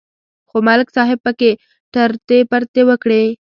خو ملک صاحب پکې ټرتې پرتې وکړې